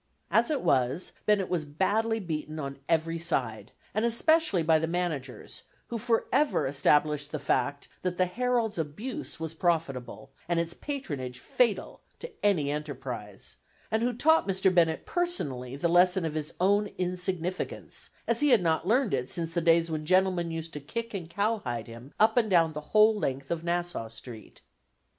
As it was, Bennett was badly beaten on every side, and especially by the managers, who forever established the fact that the Herald's abuse was profitable, and its patronage fatal to any enterprise; and who taught Mr. Bennett personally the lesson of his own insignificance, as he had not learned it since the days when gentlemen used to kick and cowhide him up and down the whole length of Nassau Street.